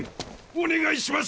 お願いします！